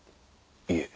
いえ。